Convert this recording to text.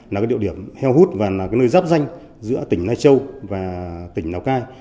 là địa điểm heo hút và nơi giáp danh giữa tỉnh nai châu và tỉnh nào cai